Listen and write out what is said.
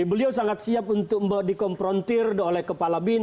beliau sangat siap untuk dikomprontir oleh kepala bin